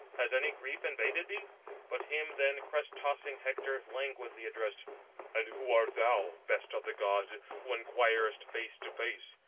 Has any grief invaded thee?" But him then crest tossing Hector languidly addressed: "And who art thou, best of the gods, who inquirest face to face?